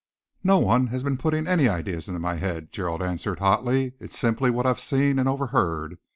"No one has been putting any ideas into my head," Gerald answered hotly. "It's simply what I've seen and overheard.